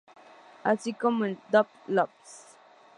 Así como en dos Lps.